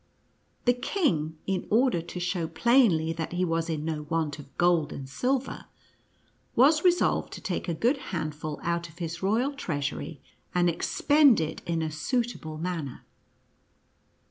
The king, in order to show plainly that he was in no want of gold and sil ver, was resolved to take a good handful out of his royal treasury, and expend it in a suitable manner.